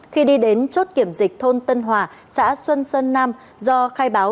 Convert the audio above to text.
khi đi đến chốt kiểm dịch thôn tân hòa xã xuân sơn nam do khai báo